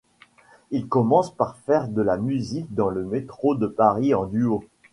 Ils commencent par faire de la musique dans le métro de Paris en duo.